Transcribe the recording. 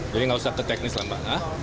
jadi nggak usah keteknis lomba